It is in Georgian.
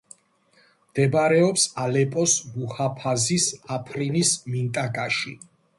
მდებარეობს ალეპოს მუჰაფაზის აფრინის მინტაკაში.